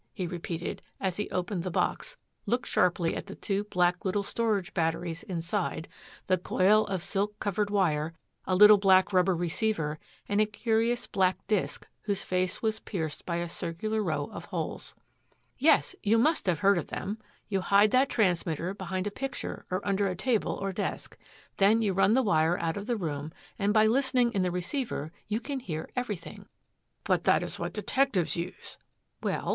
he repeated as he opened the box, looked sharply at the two black little storage batteries inside, the coil of silk covered wire, a little black rubber receiver and a curious black disc whose face was pierced by a circular row of holes. "Yes. You must have heard of them. You hide that transmitter behind a picture or under a table or desk. Then you run the wire out of the room and by listening in the receiver you can hear everything!" "But that is what detectives use " "Well?"